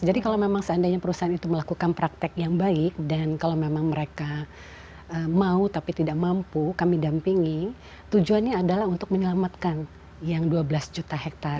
jadi kalau memang seandainya perusahaan itu melakukan praktek yang baik dan kalau memang mereka mau tapi tidak mampu kami dampingi tujuannya adalah untuk menyelamatkan yang dua belas juta hektar